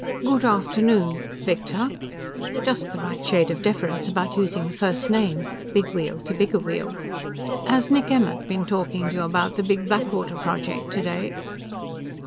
"Good afternoon, Victor." Just the right shade of deference about using the first name big wheel to bigger wheel. "Has Nick Emmert been talking to you about the Big Blackwater project today?"